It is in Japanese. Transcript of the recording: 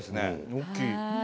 大きい。